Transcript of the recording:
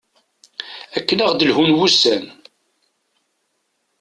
akken ad aɣ-d-lhun wussan